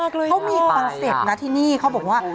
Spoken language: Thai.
เขามีความเสร็จนะที่นี่เขาบอกว่า